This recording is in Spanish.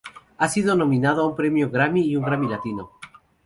Ha sido nominado a un premio Grammy y a un Grammy Latino.